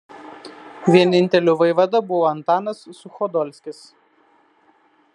Vieninteliu vaivada buvo Antanas Suchodolskis.